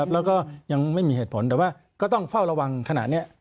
แล้วก็ยังไม่มีเหตุผลแต่ว่าก็ต้องเฝ้าระวังขนาดนี้